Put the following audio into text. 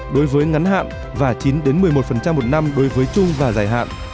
đối với ngắn hạn và chín một mươi một một năm đối với chung và dài hạn